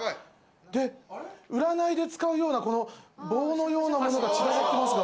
で占いで使うようなこの棒のようなものが散らばってますが。